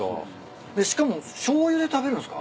でしかもしょうゆで食べるんすか？